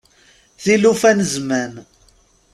Tilufa n zzman.